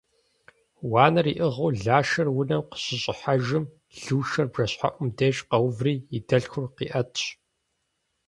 Уанэр иӏыгъыу Лашэр унэм къыщыщӏыхьэжым, Лушэр бжэщхьэӏум деж къэуври, и дэлъхур къиӏэтщ.